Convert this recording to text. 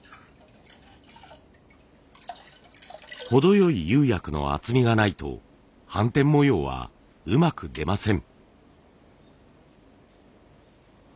程よい釉薬の厚みがないと斑点模様はうまく出ません。